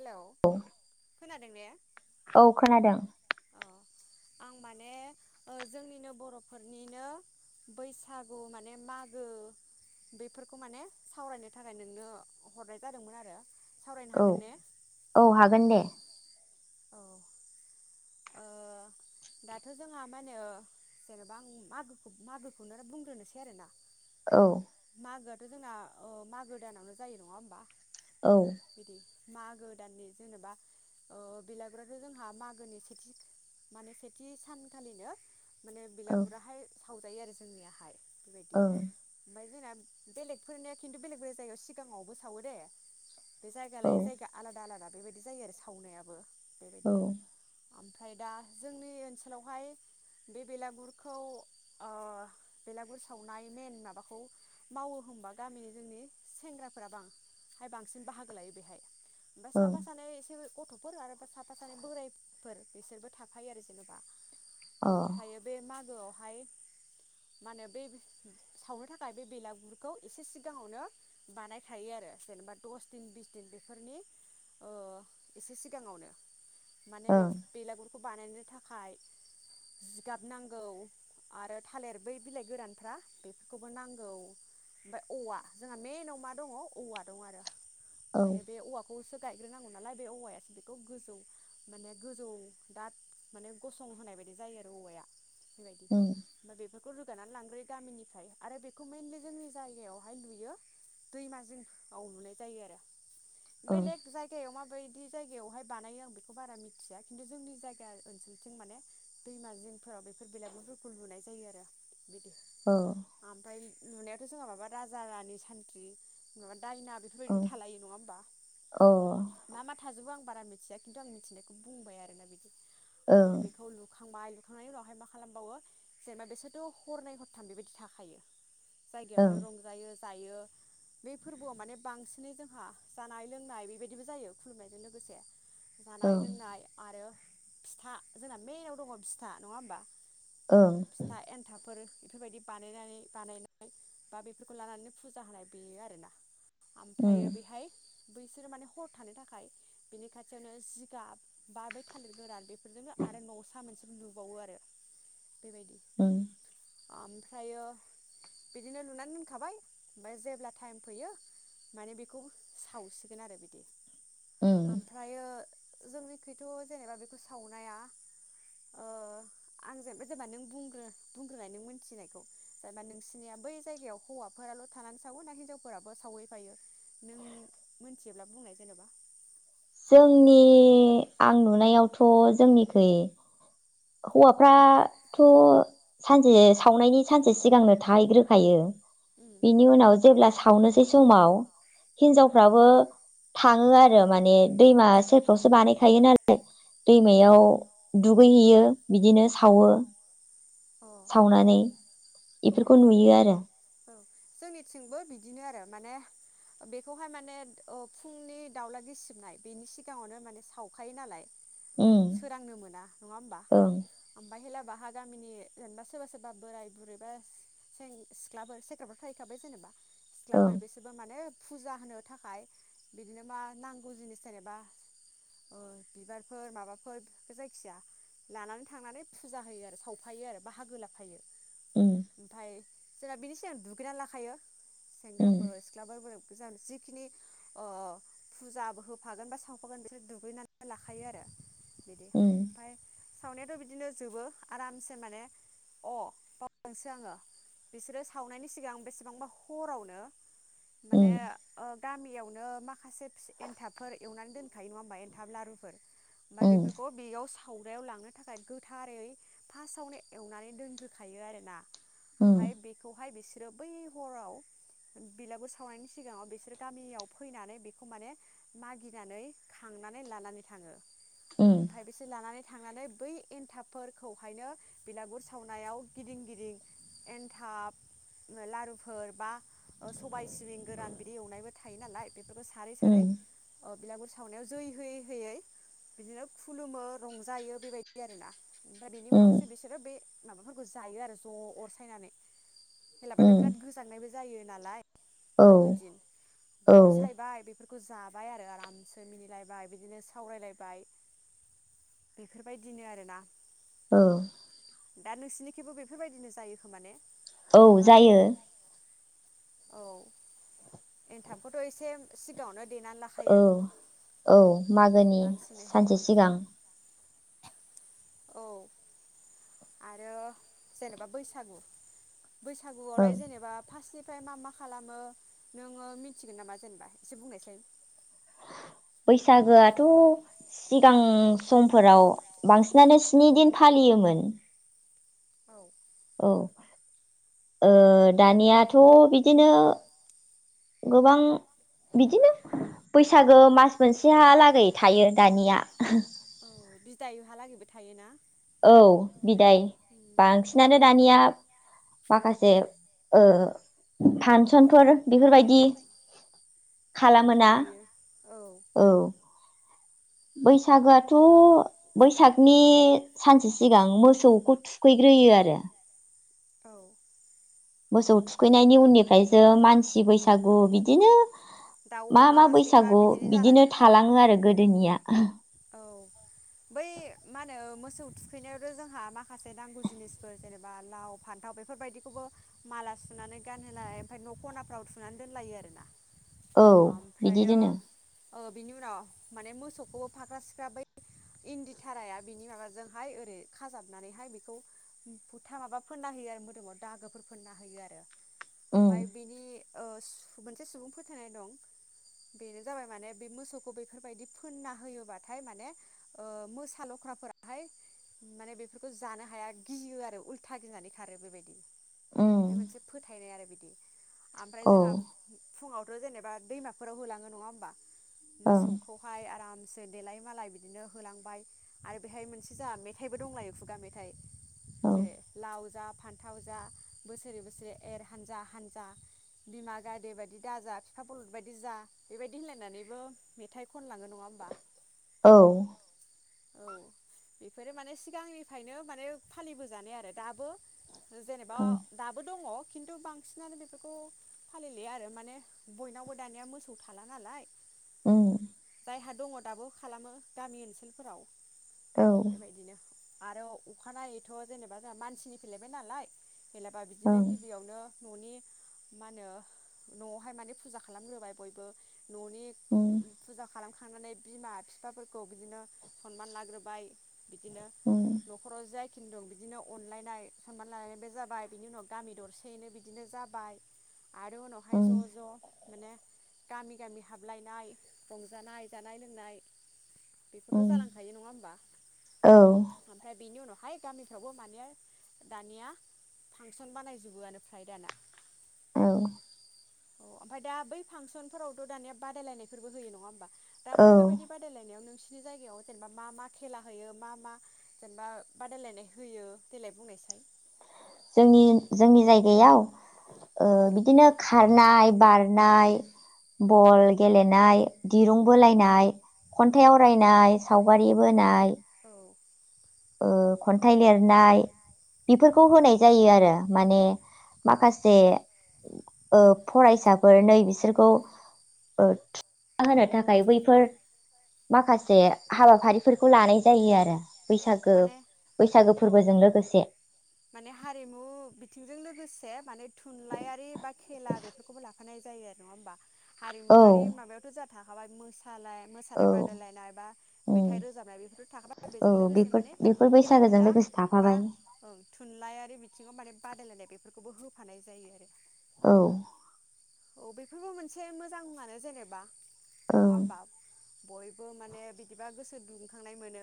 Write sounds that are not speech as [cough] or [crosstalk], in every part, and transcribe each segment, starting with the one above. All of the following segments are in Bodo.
हेलौ औ खोनाद [inaudible] औ खोनादों अ आं माने जोंनिनो बरफोरनिनो बैसागु माने मागो बेफोरखौ माने सावरायनो थाखाय नोंनो हरनाय जादोंमोन आरो सावरायनो औ हागोन ने औ हागोन दे औ ओ दाथ जोंहा मा होनो जेनेबा आं मागोखौ मागोखौनो बुंग्रोनोसै आरोना औ [unintelligible] जोंना मागो दानावनो जायो नङा होमबा औ बिदि मागो दाननि जेनेबा बिलागुरथ जोंहा मागोनि सेथि माने सेथि सानखालिनो माने बिलागुराहाय सावजायो आरो जोंनियाहाय बेबादि ओं ओमफ्राय जोंना बेलेगफोरनिया खिन्थु बेलेग बेलेग जायगायाव सिगाङावबो सावो दे बे जायगा औ लायै जायगा आलाद-आलादा दा बेबायदि जायो आरो सावनायाबो औ बेबायदि ओमफ्राय दा जोंनि ओनसोलावहाय बे बेलागुरखौ ओ बेलागुर सावनाय मेन माबाखौ मावो होनबा गामिनि जोंनि सेंग्राफोरा बा बांसिन बाहागो लायो बेहाय ओमफ्राय साफा सानै एसे गथफोर आरोबा साफा सानै बोराय फोर बिसोरबो थाफायो आरो जेनेबा अ ओमफ्रायो बे मा गोआवहाय मा होनो बे सावनो थाखाय बे बेलागुरखौ एसे सिगाङावनो बानायखायो आरो जेनेबा दस दिन बिस दिन बेफोरनि ओ एसे सिगाङावनो माने बे बेलागुर बेखौ बानायनो थाखाय जिगाब नांगौ आरो थालिर बै बिलाइ गोरानफ्रा बेफोरखौबो नांगौ ओमफ्राय औवा जोंहा मेन आव मा दङ औवा दं आरो। ओं औ माने बे औवा बेखौसो गायग्रोनांगौ नालाय बे औवायासो बेखौ गोजौ माने गोजौ दाद माने गसंहोनाय बायदि जायो आरो औवाया। बेबायदि उम आमफ्राय बेफोर बेखौ रोगानानै लांग्रोयो गामिनिफ्राय आरो बेखौ मेनलि जोंनि जायगायावहाय नुयो दैमा जिङाव लुनाय जायो आरो। ओ बेलेक जायगायाव मा बायदि जायगायावहाय बानायो आं बे खौ बारा मिथिया खिन्थु जोंनि जायगा ओनसोलथिं माने दैमा जिंफोराव बेफोर बिलागुरफोरखौ लुनाय जायो आरो। औ लुनायावाथ जोंहा माबा राजा रानि सान्थ्रि माबा दायना बेफोरबायदिबो थालायो नङा होमबा ओं मा मा थाजोबो आं बारा मिथिया खिन्थु आं मिथिनायखौ बुंबाय आरोना बिदि। ओमफ्राय अ बेखौ लु खांबाय लुखांनायनि उनावहाय मा खालामबावो जेनेबा बिसोरथ हरनै हरथाम बेबायदि थाखायो जायगायावनो ओं रंजायो दायो बे फोरबोआव माने बांसिनै जोंहा जानाय लोंनाय बेबायदिबो जायो खुलुमनायजों लोगोसे जानाय ओं लोंनाय आरो फिथा जोंना मेनाव दङ फिथा नङा होमबा ओं फिथा एन्थाबफोर बेफोरबायदि बानायनानै बानायनाय बा बेफोरखौ लानानै फुजा होनाय बेयो आरोना उम ओमफ्रायो बेहाय बैसोरो माने हर थानो थाखाय बेनिखाय जोंनो जिगाब बा बै थालिर गोरान बे फोरजोनो आरो नसा मोनसे लुबावो आरो बेबायदि। ओं ओमफ्रायो बिदिनो लुनानै दोनखाबाय ओमफ्राय जेब्ला टाइम फैयो माने बेखौ सावसिगोन आरो बिदि। उम आम यो जोंनिखथ जेनेबा बेखौ सावनाया ओ आं जेनेबा जेनेबा नों बुग्रो बुंग्रोनाय नों मिथिनायखौ जेनेबा नोंसिनिया बै जायगायाव हौवाफोराल थानानै सावो ना हिनजावफोराबो सावहैफायो नों मिथियोब्ला बुंनाय जेनेबा जोंनि आं नुनायावथ जोंनिखै हौवाफ्राथ सानसे सावनायनि सानसे सिगांनो थाहैग्रोखायो उम बिनि उनाव जेब्ला सावनोसै समाव हिनजावफ्राबो थाङो आरो माने दैमा सेरफ्रावसो बानायखायो नालाय दैमायाव दुगैहैयो बिदिनो सावो अ औ सावनानै इफोरखौ औ जोंनिथिंबो बिदिनो आरो माने बेखौहाय माने ओ फुंनि दावला गिसिबनाय बेनि सिगाङावनो माने सावखायो नालाय उम सोरांनो मोना नङा होम्बा ओं ओमफाय भेला बाहाग गामिनि जेनेबा सोरबा सोरबा बोराय बुरैबा सें सिख्लाफोर सेंग्राफोर थाहैखाबाय जेनेबा ओं सिख्लाफोर बिसोरबो मानो फुजा होनो थाखाय बिदिनो मा नांगौ जिनिस जेनेबा ओ बिबारफोर माबाफोर बे जायखिया लानानै थांनानै फुजा होयो आरो सावफायो आरो बाहागो लाफायो उम ओमफाय जोंना बिनि सिगां दुगैना लाखायो उम सेंग्राफोर सिख्लाफोर गोजान जिखिनि ओ फुजाबो होफागोन बा सावफागोन बिसोर दुगैनानै लाखायो आरो बिदि उम ओमफाय सावनायाथ बिदिनो जोबो आरामसे माने अ बावदोंसो आङो बिसोरो सावनायनि सिगां बेसेबांबा हरावनो माने उम ओ गामियावनो माखासे एनथाबफोर एवनानै दोनखायो नङा होमबा एनथाब लारुफोर मा उम बेफोरखौ बेयाव सा सावग्रायाव लांनो थाखाय गोथारै फास्टआवनो एवनानै दोनग्रोखायो आरोना ओमफाय उम बेखौहाय बिस बिसोरो बै हराव बिलागुर सावनायनि सिगाङाव बिसोरो गामियाव फैनानै बेखौ माने मागिनानै खांनानै लानानै थाङो उम ओमफाय बिसोर लानानै थांनानै बै एन्थाबफोरखौहायनो बिलागुर सावनायाव गिदिं गिदिं एन्थाब लारुफोर बा ओ सबाय सिबिं गोरान बिदि एवनायबो थायो नालाय बेफोरखौ सारै सारै उम ओ बिलागुर सावनायाव जै होयै होयै बिदिनो खुलुमो रंजायो बेबायदि आरोना दा बेनि उम उनावसो बिसोरो बे माबाफोरखौ जायो आरो ज अर सायनानै भेलाबाथाय बिराद उम गोजांनायबो जायो नालाय औ मागो दिन औ ओमफाय अर सायबाय बेफोर खौ जाबाय आरो आरामसे मिनिलायबाय बिदिनो सावरायलायबाय बेफोरबायदिनो आरोना औ दा नोंसिनिखिबो बेफोरबायदिनो जायो खो माने औ जायो औ एन्थाबखौथ एसे सिगाङावनो देनानै लाखायो औ औ मागोनि बांसिनैहाय सानसे सिगां औ आरो जेनेबा बैसागु ओं बैसागुआवलाय जेनेबा फासनि ओमफ्राय मा मा खालामो नोङो मिथिगोन नामा जेनेबा एसे बुंनाय साय बैसागोआथ सिगां समफोराव बांसिनानो स्नि दिन फालियोमोन औ औ ओ दानियाथ बिदिनो गोबां बिदिनो बैसाग गो मास मोनसेहालागै थायो दानिया औ बिदायहालागैबो थायोना औ बिदाय उम बांसिनानो दानिया माखासे ओ फानसनफोर बेफोरबायदि औ खालामो ना बानायो औ औ बैसागोआथ बैसागनि सानसे सिगां मोसौखौ थुखैग्रोयो आरो औ मोसौ थुखैनायनि उननिफ्राय सो मानसि बैसागु बिदिनो दाउ मा अमा मा सैमा बैसागु बिदिनो जालाङो थालाङो आरो गोद दोनिया औ बै मा होनो मोसौ थुखैनायावथ जोंहा माखासे नांगौ जिनिसफोर जेनेबा लाव फान्थाव बेफोरबायदिखौबो माला सुनानै गानहोनाय ओमफ्राय न ख'नाफ्राव थुनानै दोनलायो आरोना औ बिदि ओमफ्रायो दोनो ओ बिनि उनाव माने मोसौखौ फाख्रा सिख्रा बै इन्दि थाराया बेनि माबाजोंहाय ओरै खाजाबनानैहाय बेखौ बुथा माबा फोनना होयो आरो मोदोमाव दागोफोर फोनना होयो आरो उम ओमफाय बेनि ओ मोनसे सुबुं फोथायनाय दं बेनो जाबाय माने बे मोसौखौ बेफोरबायदि फोनना हो बाथाय माने मोसा लख्राफोराहाय माने बेफोरखौ जानो हाया गियो आरो उल्था गिनानै खारो बेबायदि उम बे मोनसे फोथायनाय आरो बिदि ओमफ्राय औ जोंहा फुङाव थ जेनेबा दैमाफोराव होलाङो नङा होनबा ओं मोसौखौहाय आराम सो देलाय मालाय बिदिनो होलांबाय आरो बेहाय मोनसे जाहा मेथाइबो दंलायो खुगा मेथाइ औ जेरै लाव जा फान्थाव जा बोसोरै बोसोरै एर हानजा हानजा बिमा गायदे बायदि दाजा बिफा बलद बायदि जा बेबायदि होनलायनानैबो मेथाइ खनलाङो नङा होमबा औ औ बेफोरो माने सिगांनिफ्रायनो माने फालिबोजानाय आरो दाबो जेनेबा ओं दाबो दङ खिन्थु बांसिनानो बेफोरखौ फालिलिया आरो माने बयनावबो दानिया मोसौ थाला नालाय उम जायहा दङ दाबो खालामो गामि ओनसोलफोराव औ बेबायदिनो आरो अखानायैथ जेनेबा जाहा मानसिनि फैलायबाय नालाय जेलाबा बिदिनो ओं गिबियावनो न'नि मा नो न'आवहाय माने फुजा खालामग्रोबाय बयबो न'नि उम फुजा खालाम खांनानै बिमा बिफाफोरखौ बिदिनो सनमान लाग्रोबाय बिदिनो उम नखराव जायखिनि दं बिदिनो अनलायनाय सनमान लालायनायबो जाबाय बिनि उनाव गामि दरसेयैनो बिदिनो जाबाय आरो उनावहाय ज उम ज माने गामि गामि हाबलायनाय रंजानाय जानाय लों नाय बेखौथ उम जालांखायो नङा होमबा औ ओमफ्राय बेनि उनाव हाय गामिफ्रावबो मानि दानिया फांसन बानायजोबो आंनो फ्राय दाना औ अ ओमफाय दा बै फांसनफोरावथ दानिया बादायलायनायफोरबो होयो नङा होमबा दा औ बैफोरबायदि बादायलायनायाव नोंसि नोंसिनि जायगायाव जेनेबा मा मा खेला होयो मा मा जेनेबा बादायलायनाय होयो देेलाय बुंनायसाय जोंनि जोंनि जायगायाव ओ औ बिदिनो खारनाय बार नाय बल गेलेनाय दिरुं बोलायनाय खन्थाइ आवरायनाय सावगारि बोनाय औ ओ खन्थाइ लिरनाय बिफोरखौ होनाय जायो आरो माने औ माखासे [inaudible] ओ फरायसाफोर नै बिसोरखौ ओ थुलुंगा होनो थाखाय बैफोर माखासे हाबाफारिफोरखौ लानाय जायो आरो औ बैसागो माने बैसागो औ फोरबोजों लोगोसे माने हारिमु बिथिंजों लोगोस बे माने थुनलाइयारि बाद खेला बेफोरखौबो ला फानाय जायो नङा होमबा औ हारिमुवारि माबायावथ जाद थाखाबाय मोसा सानाय औ मोसानाय बादायलायनाय बा उम मेथाइ रोजाबनाय बेफोरथ थाखाबाय औ जों लोगोसे बेफोर माने बेफोर खेला बैसागोजों दुला लोगोसे बा थाफाबाय ओं थुनलाइयारि बिथिङाव माने बादायलायनाय बेफोरखौबो होफानाय जायो आरो औ औ बेफोरबो मोनसे मोजां आनो जेनेबा औ नङा होमबा बयबो माने बिदिबा गोसो दुंखांनाय मोनो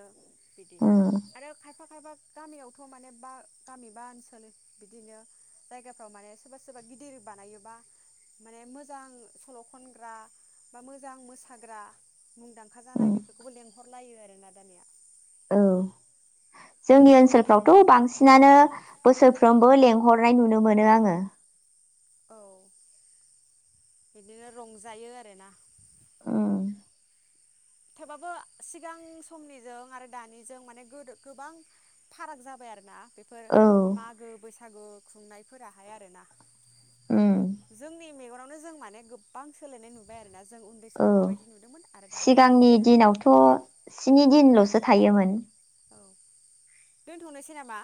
बिदि उम आरो खायफा खायफाब गामियावथ माने बा गामि बा ओनसोल बिदिनो जायगाफ्राव माने सोबा सोबा गिदिर बानायोबा माने मोजां सल खनग्रा बा मोजां मोसाग्रा मुंदांखा उम जानाय बेफोरखौबो लेंहरलायो आरो दानिया औ जोंनि ओनसोलफ्रावथ' बांसिनानो बोसोरफ्रोमबो लेंहरनाय नुनो मोनो आङो औ बिदिनो रंजायो आरोना उम थेवबाबो सिगां समनिजों आरो दानिजों माने गोदो गोबां फाराग जाबाय आरोना बेफोर औ मागो बैसागु खुंनायफोराहाय आरो ना उम जोंनि मेगनाव खो जों माने गोबां सोलायनाय नुबाय आरोना जों उन्दै औ समाव माबायदि नुदोंमोन आरो दा माबायदि सिगांनि नुदोंमोन दिनावथ स्नि दि दिनल'सो थायोमोन दोन्थनोसै नामा?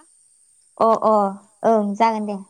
अ अ ओं जागोन दे